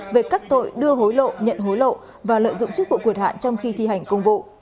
về các tội đưa hối lộ nhận hối lộ và lợi dụng chức vụ quyền hạn trong khi thi hành công vụ